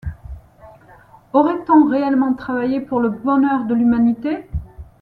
Aurait-on réellement travaillé pour le bonheur de l’humanité?...